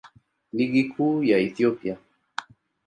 Ligi Kuu ya Ethiopia.